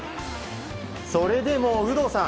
それでも有働さん